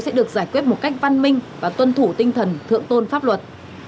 sẽ được giải quyết một cách văn minh và tuân thủ tinh thần thượng tôn pháp luật